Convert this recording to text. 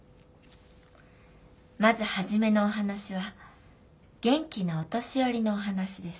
まず初めのお話は元気なお年寄りのお話です。